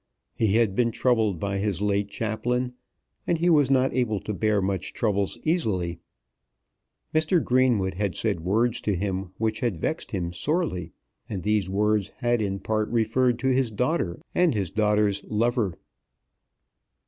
He had been troubled by his late chaplain, and he was not able to bear such troubles easily. Mr. Greenwood had said words to him which had vexed him sorely, and these words had in part referred to his daughter and his daughter's lover.